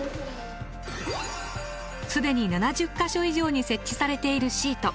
既に７０か所以上に設置されているシート。